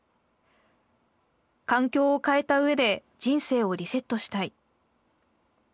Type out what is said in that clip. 「環境を変えた上で人生をリセットしたい。